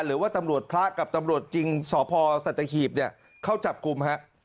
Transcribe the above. หรือว่าตำรวจพระกับตำรวจจริงสพสัตหีบเนี่ยเข้าจับกลุ่มฮะ